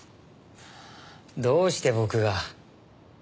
どうして僕が？